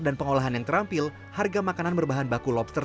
dan pengolahan yang terampil harga makanan berbahan baku lobster